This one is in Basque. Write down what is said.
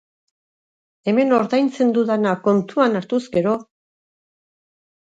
Hemen ordaintzen dudana kontuan hartuz gero...